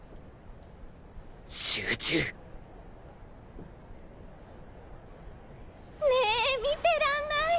集中！ねぇ見てらんない。